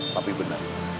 pak pi benar